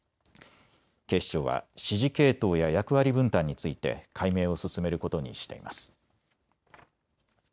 警視庁は指示系統や役割分担について解明を進めることにしています。